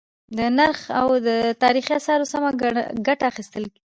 د نرخ له تاريخي آثارو سمه گټه اخيستل: